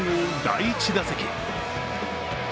第１打席。